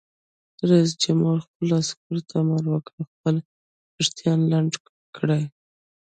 رئیس جمهور خپلو عسکرو ته امر وکړ؛ خپل ویښتان لنډ کړئ!